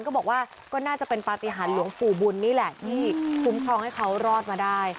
ก็บอกว่าก็น่าจะเป็นปฏิหารหลวงปู่บุญนี่แหละที่คุ้มครองให้เขารอดมาได้